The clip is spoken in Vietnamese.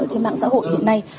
trên mạng xã hội hiện nay